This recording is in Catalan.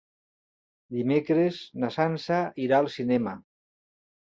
Dimecres na Sança irà al cinema.